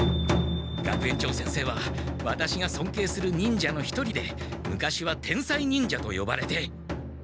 学園長先生はワタシがそんけいする忍者の一人で昔は天才忍者とよばれて。